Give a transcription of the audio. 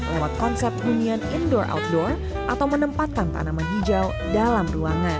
lewat konsep hunian indoor outdoor atau menempatkan tanaman hijau dalam ruangan